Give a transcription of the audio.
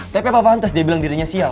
tapi apa pantes dia bilang dirinya sial